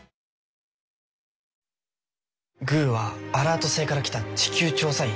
グーはアラート星から来た地球調査員？